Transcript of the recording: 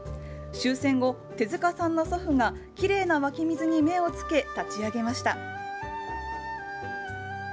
終戦後、手塚さんの祖父がきれいな湧き水に目をつけ、立ち上げました。